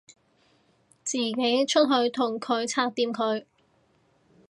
自己出去同佢拆掂佢